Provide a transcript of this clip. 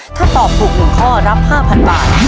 ถ้าตอบถูก๑ข้อรับ๕๐๐บาท